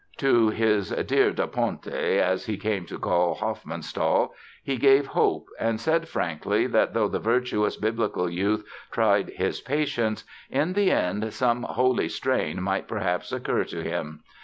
To "his dear da Ponte", as he came to call Hofmannsthal, he gave hope and said frankly that though the virtuous Biblical youth tried his patience, in the end some "holy" strain might perhaps occur to him.